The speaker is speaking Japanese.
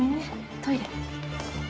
トイレ。